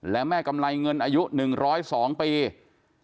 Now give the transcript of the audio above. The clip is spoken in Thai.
และแม่กำไรเงินอายุ๑๐๒ปี